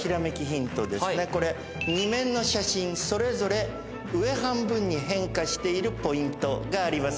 ２面の写真それぞれ上半分に変化しているポイントがあります。